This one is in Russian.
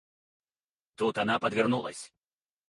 Тут она подвернулась.